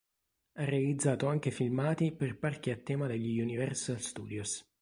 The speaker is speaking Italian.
Ha realizzato anche filmati per parchi a tema degli Universal Studios.